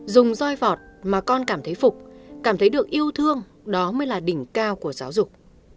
dùng roi vọt mà con cảm thấy phục cảm thấy được yêu thương đó mới là đỉnh cao của giáo dục